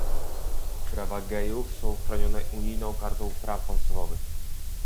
Prawa gejów są chronione unijną kartą praw podstawowych